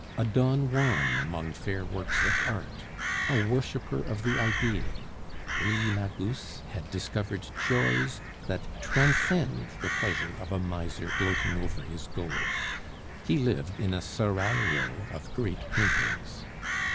A Don Juan among fair works of art, a worshiper of the Ideal, Elie Magus had discovered joys that transcend the pleasure of a miser gloating over his gold he lived in a seraglio of great paintings.